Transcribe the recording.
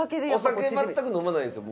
お酒全く飲まないんですよ